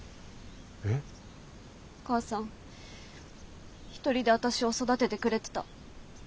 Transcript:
お母さん１人で私を育ててくれてた。